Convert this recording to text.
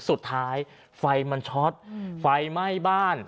สุดท้ายไฟมันช็อตไฟไหม้บ้าน